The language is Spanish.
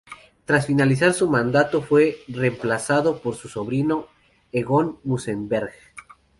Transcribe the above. Tras finalizar su mandato, fue reemplazado por su sobrino Egon Münzenberg.